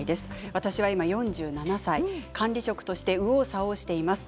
私は今４７歳管理職として右往左往しています。